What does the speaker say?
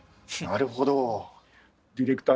なるほど。